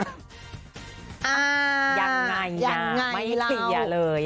อ่ายังไงนะไม่เที่ยเลย